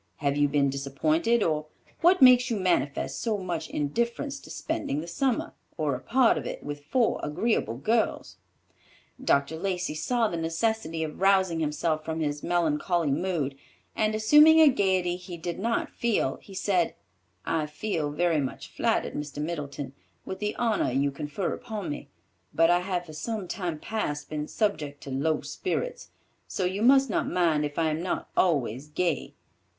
Have you been disappointed, or what makes you manifest so much indifference to spending the summer, or a part of it, with four agreeable girls?" Dr. Lacey saw the necessity of rousing himself from his melancholy mood, and assuming a gayety he did not feel, he said, "I feel very much flattered, Mr. Middleton, with the honor you confer upon me, but I have for some time past been subject to low spirits; so you must not mind it if I am not always gay.